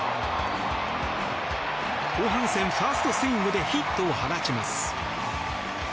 後半戦ファーストスイングでヒットを放ちます。